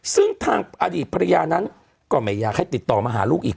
ซึ่งทางอดีตภรรยานั้นก็ไม่อยากให้ติดต่อมาหาลูกอีก